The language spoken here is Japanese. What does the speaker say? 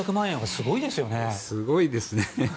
すごいですね。